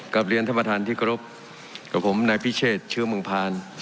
กราบเรียนท่านประธานที่ขอรับกับผมนายพิเชษชื่อมึงพาน